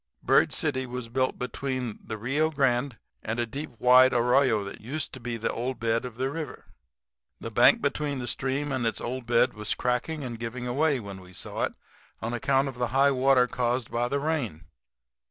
Bird City was built between the Rio Grande and a deep wide arroyo that used to be the old bed of the river. The bank between the stream and its old bed was cracking and giving away, when we saw it, on account of the high water caused by the rain.